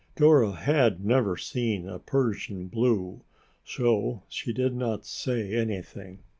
Dora had never seen a Persian blue, so she did not say anything.